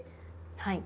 はい。